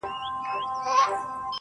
څلوېښتم کال دی